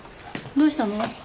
どうしたの？